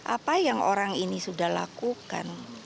apa yang orang ini sudah lakukan